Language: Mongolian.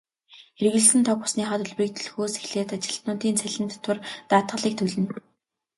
Хэрэглэсэн тог, усныхаа төлбөрийг төлөхөөс эхлээд ажилтнуудын цалин, татвар, даатгалыг төлнө.